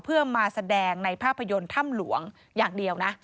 เพื่อมาแสดงในภาพยนตร์ถ้ำหลวงอย่างเดียวนะ